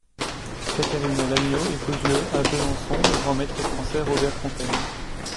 Kateryna Lagno épouse le à Besançon le grand maître français Robert Fontaine.